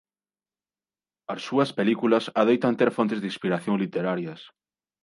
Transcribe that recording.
As súas películas adoitan ter fontes de inspiración literarias.